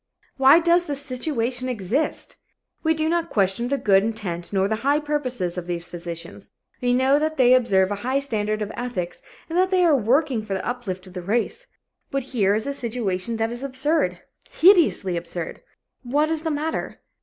Why does this situation exist? We do not question the good intent nor the high purposes of these physicians. We know that they observe a high standard of ethics and that they are working for the uplift of the race. But here is a situation that is absurd hideously absurd. What is the matter?